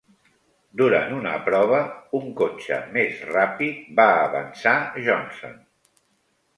Durant una prova, un cotxe més ràpid va avançar Johnson.